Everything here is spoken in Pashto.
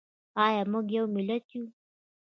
ایا موږ یو ملت یو؟